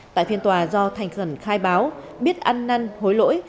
tại phiên tòa do thành khẩn khai báo biết ăn năn hối lỗi